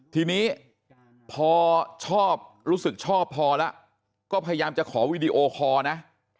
ทีนี้พอชอบรู้สึกชอบพอแล้วก็พยายามจะขอวีดีโอคอร์นะ